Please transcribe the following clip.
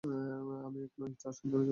আমি এক নয়, চার সন্তানের জন্ম দিয়েছি।